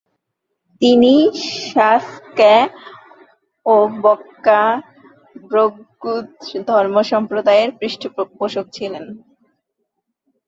তিনি সা-স্ক্যা ও ব্কা'-ব্র্গ্যুদ ধর্মসম্প্রদায়ের পৃষ্ঠপোষক ছিলেন।